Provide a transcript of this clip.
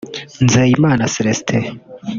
Nzeyimana Celestin